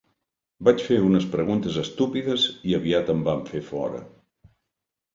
Vaig fer unes preguntes estúpides i aviat em van fer fora.